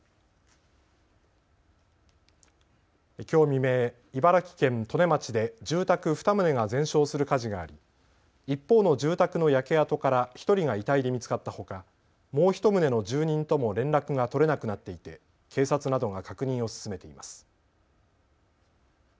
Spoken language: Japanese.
きょう未明、茨城県利根町で住宅２棟が全焼する火事があり一方の住宅の焼け跡から１人が遺体で見つかったほかもう１棟の住人とも連絡が取れなくなっていて警察などが確認を進めています。